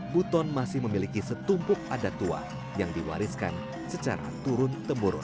buton masih memiliki setumpuk adat tua yang diwariskan secara turun temurun